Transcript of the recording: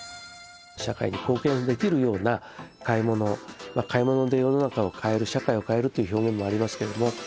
社会に貢献できるような買い物買い物で世の中を変える社会を変えるという表現もありますけれども。